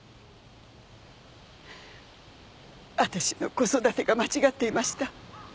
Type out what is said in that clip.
私の子育てが間違っていました。